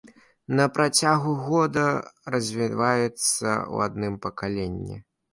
На працягу года развіваецца ў адным пакаленні.